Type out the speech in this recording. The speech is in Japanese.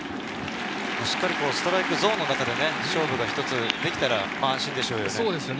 ストライクゾーンの中で勝負ができたら安心でしょうね。